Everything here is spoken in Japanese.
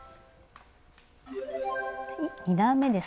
２段めです。